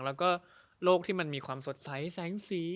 แล้วก็โลกที่มันมีความสดใสแสงสี